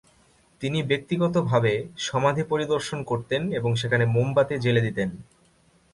তিনি ব্যক্তিগতভাবে সমাধি পরিদর্শন করতেন এবং সেখানে মোমবাতি জ্বেলে দিতেন।